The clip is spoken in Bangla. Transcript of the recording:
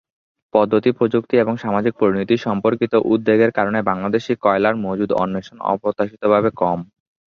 পদ্ধতি, প্রযুক্তি এবং সামাজিক পরিণতি সম্পর্কিত উদ্বেগের কারণে বাংলাদেশী কয়লার মজুদ অন্বেষণ অপ্রত্যাশিতভাবে কম।